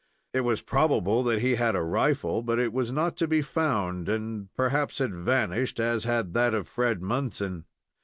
It was probable that he had a rifle but it was not to be found, and, perhaps, had vanished, as had that of Fred Munson.